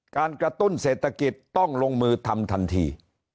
การกระตุ้นเศรษฐกิจต้องลงมือทำทันที